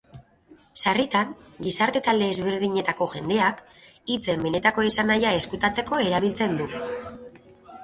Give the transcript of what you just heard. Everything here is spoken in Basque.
Sarritan, gizarte-talde ezberdinetako jendeak, hitzen benetako esanahia ezkutatzeko erabiltzen du.